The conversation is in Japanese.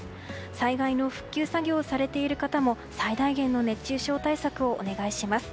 災害の復旧作業をされている方も最大限の熱中症対策をお願いします。